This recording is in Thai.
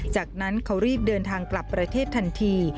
จากนั้นเขารีบเดินทางกลับประเทศทันที